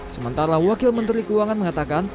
sementara wakil menteri keuangan mengatakan